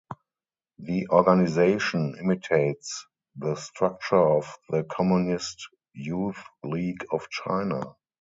The organisation imitates the structure of the Communist Youth League of China.